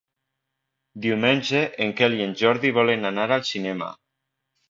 Diumenge en Quel i en Jordi volen anar al cinema.